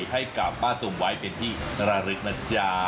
ให้กับป้าตุ๋มไว้เป็นที่ระลึกนะจ๊ะ